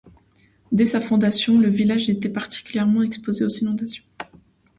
Dès sa fondation, le village était particulièrement exposé aux inondations.